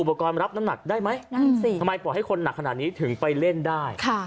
อุปกรณ์รับน้ำหนักได้ไหมนั่นสิทำไมปล่อยให้คนหนักขนาดนี้ถึงไปเล่นได้